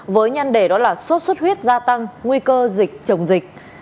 với nhăn đề đó là sốt xuất huyết gia tăng nguy cơ dịch chồng dịch